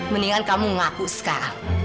mendingan kamu ngaku sekarang